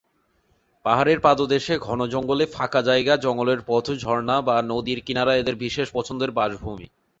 পাহাড়ের পাদদেশে ঘন জঙ্গলে ফাঁকা জায়গা, জঙ্গলের পথ ও ঝর্ণা বা নদীর কিনারা এদের বিশেষ পছন্দের বাসভূমি।